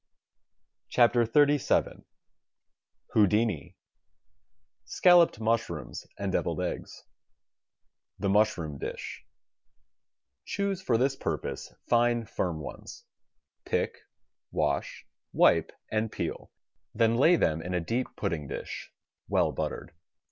WRITTEN FOR MEN BY MEN XXXVII Houdini SCALLOPED MUSHROOMS AND DEVILED EGGS The Mushroom Disk Choose for this purpose fine firm ones. Pick, wash, wipe and peel — then lay them in a deep pudding dish well buttered.